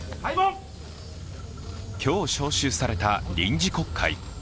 今日召集された臨時国会。